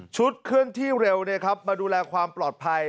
ชุดเครื่องที่เร็วเนี่ยครับมาดูแลความปลอดภัย